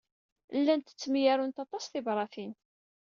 Llant ttemyarunt aṭas tibṛatin.